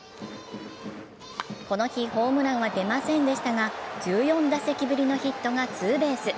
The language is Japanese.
この日、ホームランは出ませんでしたが、１４打席ぶりのヒットがツーベース。